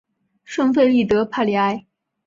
圣费利德帕利埃。